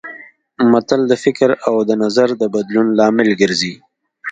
متل د فکر او نظر د بدلون لامل ګرځي